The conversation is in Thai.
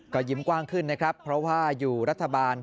ก็ยิ้มกว้างขึ้นนะครับเพราะว่าอยู่รัฐบาล